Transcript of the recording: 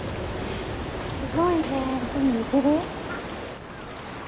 すごいね。